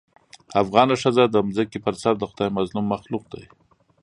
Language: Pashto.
افغانه ښځه د ځمکې په سر دخدای مظلوم مخلوق دې